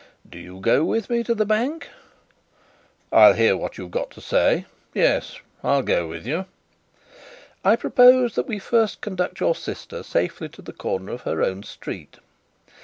Do you go with me to the Bank?" "I'll hear what you have got to say. Yes, I'll go with you." "I propose that we first conduct your sister safely to the corner of her own street.